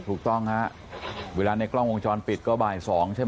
ถูกต้องฮะเวลาในกล้องวงจรปิดก็บ่าย๒ใช่ไหม